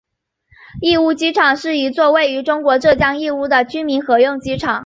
义乌机场是一座位于中国浙江义乌的军民合用机场。